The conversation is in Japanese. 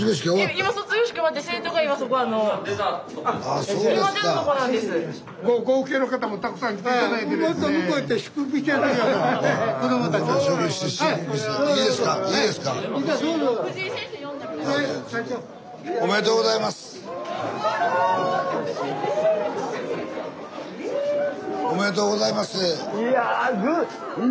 いや今日おめでとうございます！